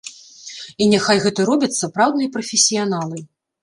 І няхай гэта робяць сапраўдныя прафесіяналы.